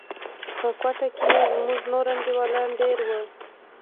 په کوټه کښې زموږ نور انډيوالان دېره وو.